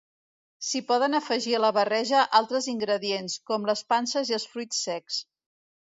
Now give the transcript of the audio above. S'hi poden afegir a la barreja altres ingredients, com les panses i els fruits secs.